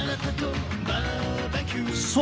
そう。